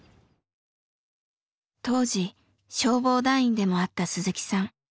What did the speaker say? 当時消防団員でもあった鈴木さん。